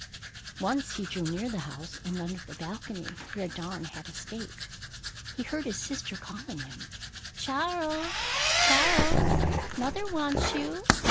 Once he drew near the house and under the balcony where Dawn had escaped. He heard his sister calling him, "Charles, Charles! Mother wants you!"